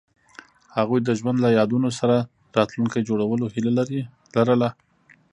هغوی د ژوند له یادونو سره راتلونکی جوړولو هیله لرله.